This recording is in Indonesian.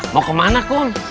mau kemana kung